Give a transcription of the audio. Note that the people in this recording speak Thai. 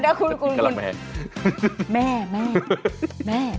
เดี๋ยวคุณแม่แม่แม่